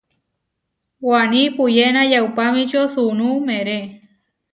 Waní puyéna yaupamíčio suunú meeré.